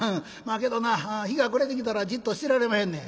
けどな日が暮れてきたらじっとしてられまへんねん」。